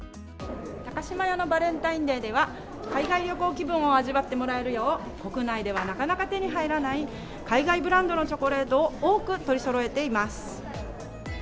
高島屋のバレンタインデーでは、海外旅行気分を味わってもらえるよう、国内ではなかなか手に入らない、海外ブランドのチョコレートを多く取りそろえています。